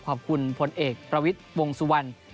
ขอบคุณผลเอกประวิทช์วงศรวรรศ์